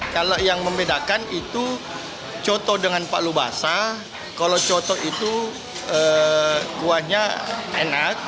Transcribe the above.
kalau yang membedakan itu coto dengan palu basah kalau coto itu kuahnya enak